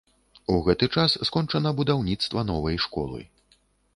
У гэты час скончана будаўніцтва новай школы.